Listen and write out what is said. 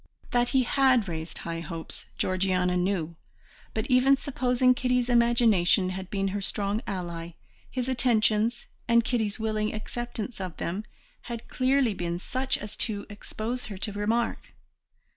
That he had raised high hopes, Georgiana knew, but even supposing Kitty's imagination had been her strong ally, his attentions, and Kitty's willing acceptance of them, had clearly been such as to expose her to remark.